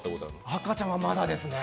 赤ちゃんはまだですね。